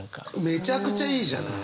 めちゃくちゃいいじゃない！